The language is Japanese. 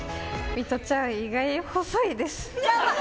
水卜ちゃん、意外に細いです。